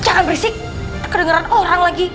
jangan berisik kedengeran orang lagi